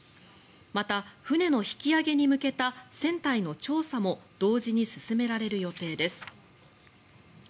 また、船の引き揚げに向けた船体の調査も同時に進められる予定です。